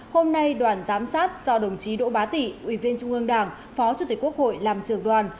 hôm nay đoàn giám sát do đồng chí đỗ bá tị ủy viên trung ương đảng phó chủ tịch quốc hội làm trường đoàn